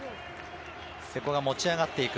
瀬古が持ち上がっていく。